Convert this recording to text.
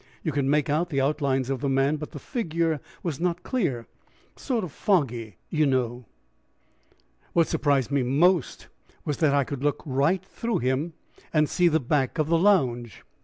You could make out the outlines of the man, but the figure was not clear; sort of foggy, you know. What surprised me most was that I could look right through him and see that back of the lounge.